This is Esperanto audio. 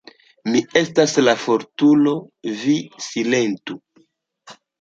"Mi estas la fortulo, vi silentu.